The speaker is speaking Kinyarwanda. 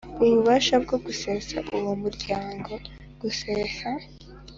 Ububasha bwo gusesa uwo muryango gusesa